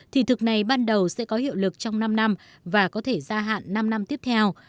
thì thực này ban đầu sẽ có hiệu lực trong năm năm và có thể gia hạn năm năm tiếp theo